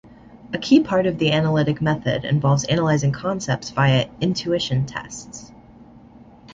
A key part of the analytic method involves analyzing concepts via "intuition tests".